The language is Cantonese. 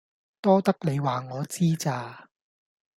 多得你話我知咋